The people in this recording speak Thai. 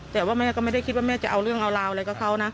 แต่ว่าแม่ก็ไม่ได้คิดว่าแม่จะเอาเรื่องเอาราวอะไรกับเขานะ